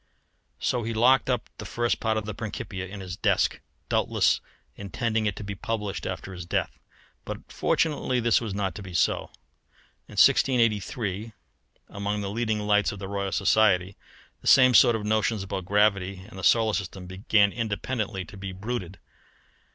So he locked up the first part of the Principia in his desk, doubtless intending it to be published after his death. But fortunately this was not so to be. In 1683, among the leading lights of the Royal Society, the same sort of notions about gravity and the solar system began independently to be bruited.